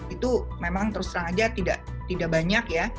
itu memang terus terang aja tidak banyak ya